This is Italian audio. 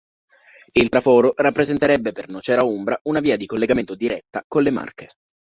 Il traforo rappresenterebbe per Nocera Umbra una via di collegamento diretta con le Marche.